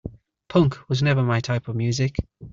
Punk was never my type of music.